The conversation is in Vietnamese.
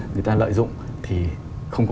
người ta lợi dụng thì không có